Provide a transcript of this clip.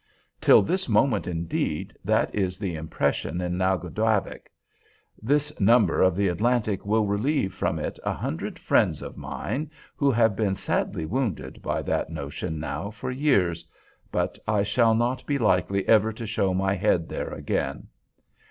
Till this moment, indeed, that is the impression in Naguadavick. This number of The Atlantic will relieve from it a hundred friends of mine who have been sadly wounded by that notion now for years—but I shall not be likely ever to show my head there again.